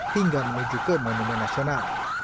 hingga menuju ke monumen nasional